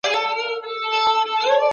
زکات د اسلام یو رکن دی.